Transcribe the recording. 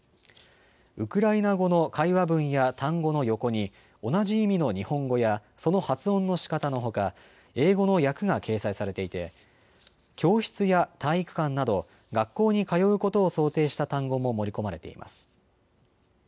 ウクライナ語の会話文や単語の横に同じ意味の日本語やその発音のしかたのほか英語の訳が掲載されていて教室や体育館など学校に通うことを想定した単語も盛り込まれています。